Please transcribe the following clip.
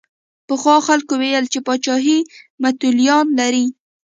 پخوا خلکو ویل چې پاچاهي متولیان لري.